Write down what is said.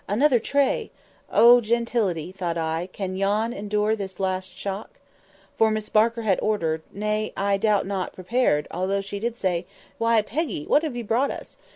Another tray! "Oh, gentility!" thought I, "can you endure this last shock?" For Miss Barker had ordered (nay, I doubt not, prepared, although she did say, "Why, Peggy, what have you brought us?"